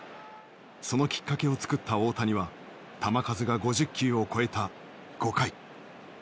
そのきっかけを作った大谷は球数が５０球を超えた５回。